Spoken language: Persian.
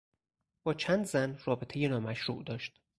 با چند زن رابطهی نامشروع داشت.